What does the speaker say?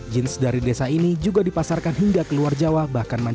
jeans dari desa ini juga dipasarkan hingga ke luar jawa bandung